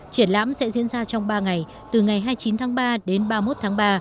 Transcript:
triển lãm sẽ diễn ra trong ba ngày từ ngày hai mươi chín tháng ba đến ba mươi một tháng ba